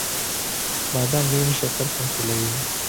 • بادام د وینې شکر کنټرولوي.